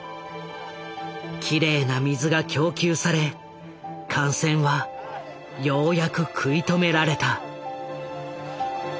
きれいな水が供給され感染はようやく食い止められた。